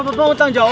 bapak mau tangjau